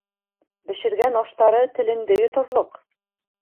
Бешергән аштары телеңде йоторлоҡ!